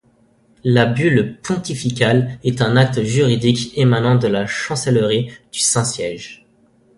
La bulle pontificale est un acte juridique émanant de la chancellerie du Saint-Siège.